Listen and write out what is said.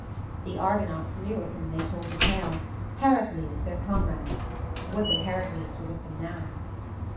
The Argonauts knew of whom they told the tale Heracles, their comrade. Would that Heracles were with them now!